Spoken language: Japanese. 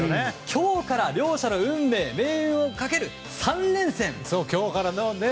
今日から両者の命運を分ける３連戦ですね。